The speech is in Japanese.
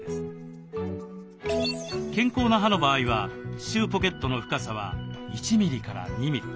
健康な歯の場合は歯周ポケットの深さは１ミリ２ミリ。